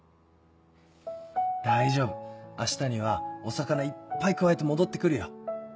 大丈夫明日にはお魚いっぱいくわえて戻って来るよ。